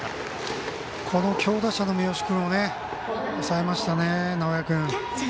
この強打者の三好君を抑えましたね、直江君。